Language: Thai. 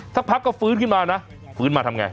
สักพักก็ฟื้นขึ้นมานะฟื้นมาทำไง